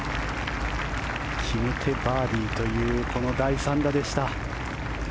決めてバーディーというこの第３打でした。